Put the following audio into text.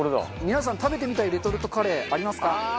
皆さん食べてみたいレトルトカレーありますか？